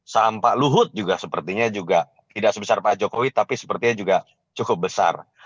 saham pak luhut juga sepertinya juga tidak sebesar pak jokowi tapi sepertinya juga cukup besar